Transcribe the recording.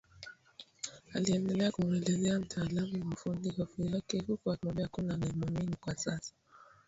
Aliendelea kumuelezea mtaalamu wa ufundi hofu yake huku akimwambia hakuna anayemuanini kwa sasa